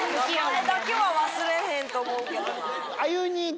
名前だけは忘れへんと思うけどな。